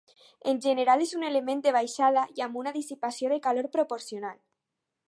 En general és un element de baixada i amb una dissipació de calor proporcional.